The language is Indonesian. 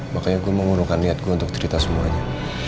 makanya gue mengurungkan niat gue untuk cerita semuanya